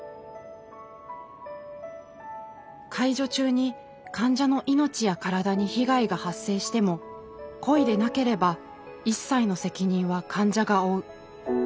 介助中に患者の命や体に被害が発生しても故意でなければ一切の責任は患者が負う。